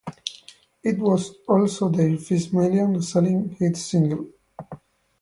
It was also their first million-selling hit single.